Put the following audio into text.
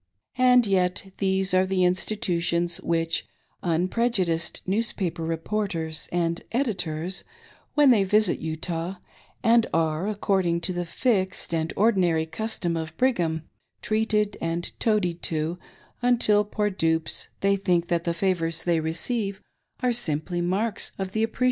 And yet these are the institutions which "unpreju diced" newspaper reporters and editors, when they visit Utah, and are, according to the fixed and ordinary custom of Brigham, treated and toadied to until, poor dupes, they think that the favors they receive are simply marks of the appre i6o6 GEftlNG UP I^BIES' PETITIONS.